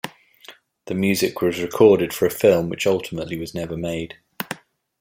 The music was recorded for a film which ultimately was never made.